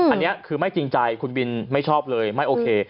อันนี้คือไม่จริงใจคุณบินไม่ชอบเลยไม่โอเค